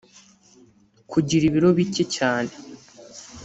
kugira ibiro bike cyane